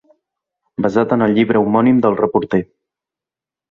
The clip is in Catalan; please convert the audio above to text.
Basat en el llibre homònim del reporter.